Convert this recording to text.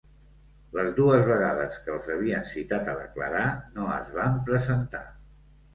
Les dues vegades que els havien citat a declarar no es van presentar.